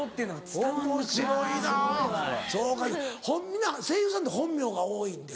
皆声優さんって本名が多いんですか？